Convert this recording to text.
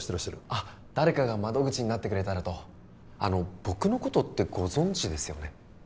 あ誰かが窓口になってくれたらとあの僕のことってご存じですよね？